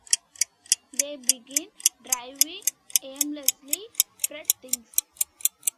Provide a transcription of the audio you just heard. They begin driving, aimlessly Fred thinks.